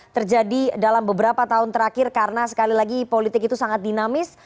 terjadi dalam beberapa tahun terakhir karena sekali lagi politik itu sangat dinamis